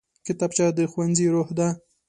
کتابچه د ښوونځي روح ده